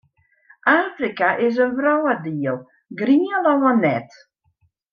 Afrika is in wrâlddiel, Grienlân net.